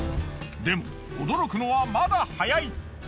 でも驚くのはまだ早い！